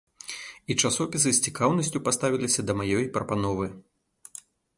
І часопісы з цікаўнасцю паставіліся да маёй прапановы.